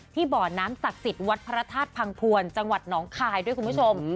บ่อน้ำศักดิ์สิทธิ์วัดพระธาตุพังพวนจังหวัดหนองคายด้วยคุณผู้ชม